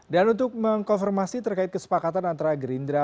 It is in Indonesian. dan untuk mengkonfirmasi terkait kesepakatan antara gerindra